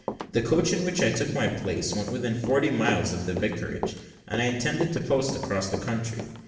The coach in which I took my place went within forty miles of the vicarage, and I intended to post across the country.